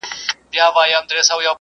حکومت د چاپیریال ساتنې هوکړه نه ماتوي.